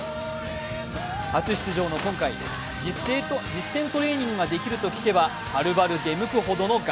初出場の今回、実戦トレーニングができると聞けばはるばる出向くほどのガ